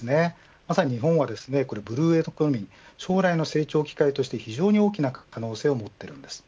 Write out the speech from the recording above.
まさに日本はブルーエコノミー将来の成長機会として非常に大きな可能性を持っています。